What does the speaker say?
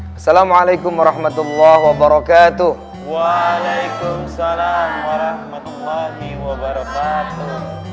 assalamualaikum warahmatullahi wabarakatuh waalaikumsalam warahmatullahi wabarakatuh